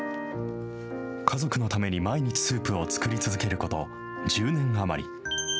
家族のために毎日スープを作り続けること、１０年余り。